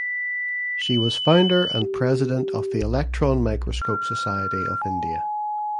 She was founder and president of the Electron Microscope Society of India.